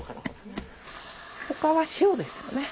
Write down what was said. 他は塩ですよね。